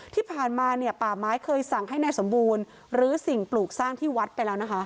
ที่ผ่านมาเนี่ยป่าไม้เคยสั่งให้นายสมบูรณ์หรือสิ่งปลูกสร้างที่วัดไปแล้วนะคะ